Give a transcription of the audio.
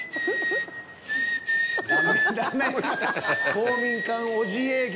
公民館おじ営業。